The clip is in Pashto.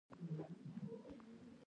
احمد ژر ژر پر سر اوبه تېرې کړې.